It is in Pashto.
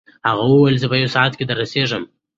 هغه وویل چې زه په یو ساعت کې دررسېږم.